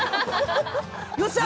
よっしゃ！